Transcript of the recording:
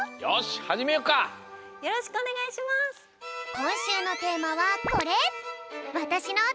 こんしゅうのテーマはこれ。